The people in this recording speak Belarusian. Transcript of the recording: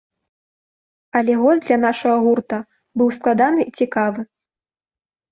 Але год для нашага гурта быў складаны і цікавы.